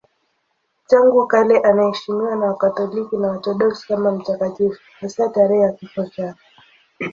Tangu kale anaheshimiwa na Wakatoliki na Waorthodoksi kama mtakatifu, hasa tarehe ya kifo chake.